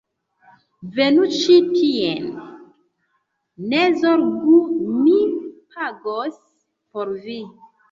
Venu ĉi tien. Ne zorgu, mi pagos por vi